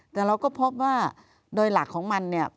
แต่เราก็พบว่าโดยหลักของมันเนี่ย